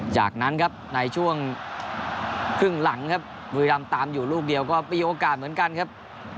จากนั้นครับในช่วงครึ่งหลังครับบุรีรำตามอยู่ลูกเดียวก็มีโอกาสเหมือนกันครับ